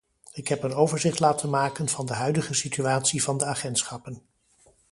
Ik heb een overzicht laten maken van de huidige situatie van de agentschappen.